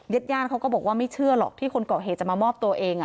ญาติญาติเขาก็บอกว่าไม่เชื่อหรอกที่คนก่อเหตุจะมามอบตัวเอง